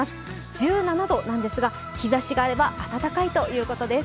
１７度なんですが、日ざしがあれば暖かいということです。